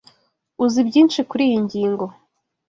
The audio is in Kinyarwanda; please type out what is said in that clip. Uzi byinshi kuriyi ngingo.